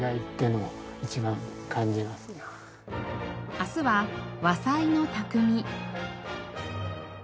明日は和裁の匠。